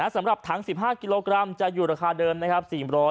สำหรับถัง๑๕กิโลกรัมจะอยู่ราคาเดิมนะครับ